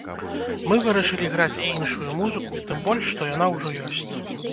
Мы вырашылі граць і іншую музыку, тым больш, што яна ўжо ёсць.